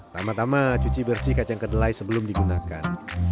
tama tama cuci bersih kacang kedelai sebelum digunakan